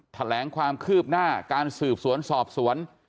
แถลงความคืบหน้าการสืบสวนสอบสวน